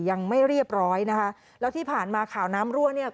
ยังไม่เรียบร้อยนะคะแล้วที่ผ่านมาข่าวน้ำรั่วเนี่ย